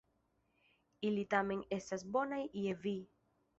Ili tamen estas bonaj je vi.